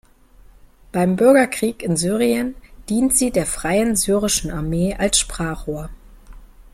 Beim Bürgerkrieg in Syrien dient sie der Freien Syrischen Armee als Sprachrohr.